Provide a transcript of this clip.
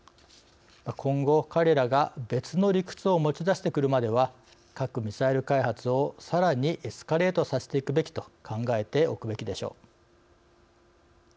今後彼らが別の理屈を持ち出してくるまでは核・ミサイル開発をさらにエスカレートさせていくべきと考えておくべきでしょう。